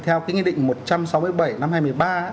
theo cái nghị định một trăm sáu mươi bảy năm hai nghìn một mươi ba